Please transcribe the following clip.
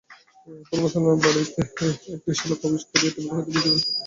কোন মুসলমানের বাটীতে একটি শিয়াল প্রবেশ করিয়া টেবিল হইতে কিছু খাদ্য খাইয়া পলাইল।